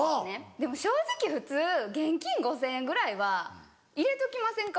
でも正直普通現金５０００円ぐらいは入れときませんか？